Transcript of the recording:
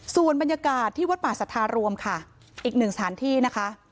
ส่วนบรรยากาศที่วัดป่าสัทธารวมค่ะอีกหนึ่งสถานที่นะคะ